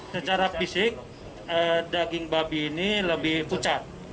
secara fisik daging babi ini lebih pucat